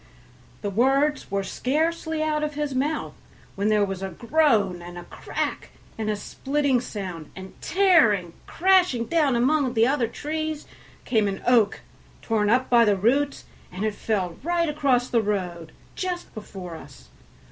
The words were scarcely out of his mouth when there was a groan, and a crack, and a splitting sound, and tearing, crashing down among the other trees came an oak, torn up by the roots, and it fell right across the road just before us.